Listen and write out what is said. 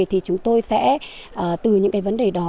thì chúng tôi sẽ từ những cái vấn đề đó